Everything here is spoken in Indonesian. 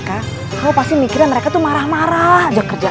aku mikirnya mereka tuh marah marah